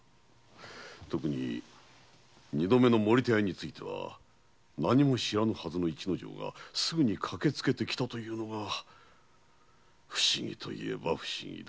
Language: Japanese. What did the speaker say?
特に二度目の森田屋については何も知らぬはずの市之丞がすぐに駆けつけてきたというのが不思議といえば不思議だ。